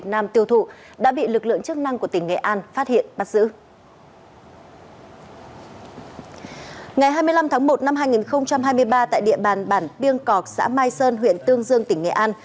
năm tháng một năm hai nghìn hai mươi ba tại địa bàn bản biêng cọc xã mai sơn huyện tương dương tỉnh nghệ an